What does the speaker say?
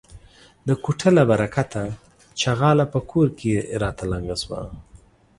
د کوټه له برکته ،چغاله په کور کې راته لنگه سوه.